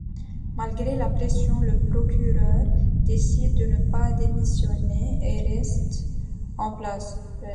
Malgré la pression, le procureur décide de ne pas démissionner et reste en place.